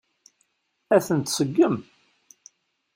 Ad ten-tseggem?